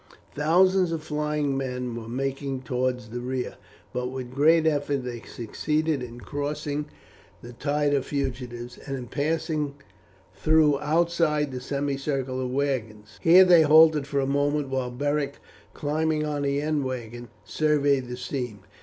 Thousands of flying men were making towards the rear, but with a great effort they succeeded in crossing the tide of fugitives, and in passing through outside the semicircle of wagons. Here they halted for a moment while Beric, climbing on the end wagon, surveyed the scene.